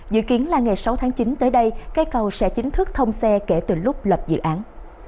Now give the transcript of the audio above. dự kiến là ngày sáu tháng chín tới đây cây cầu sẽ chính thức thông xe kể từ lúc lập dự án